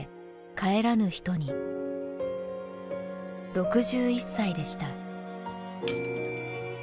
６１歳でした。